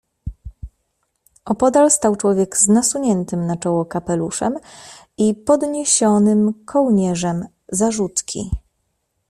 "Opodal stał człowiek z nasuniętym na czoło kapeluszem i podniesionym kołnierzem zarzutki."